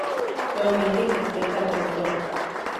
Actualmente interpreta a la Dra.